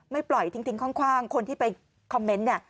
ไม่ปล่อยทิ้งข้างคนที่ไปคอมเมนต์